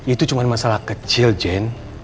itu cuma masalah kecil jen